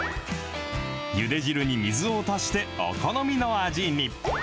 ゆで汁に水を足して、お好みの味に。